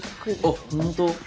あっ本当？